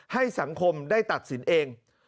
ให้สังคมได้ตัดสินเอง